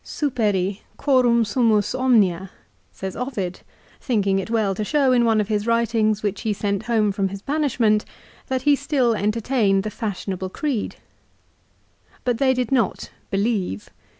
" Superi, quorum sumus omnia," says Ovid, thinking it well to show in one of his writings which he sent home from his banishment that he still entertained the fashionable creed. But they did not believe.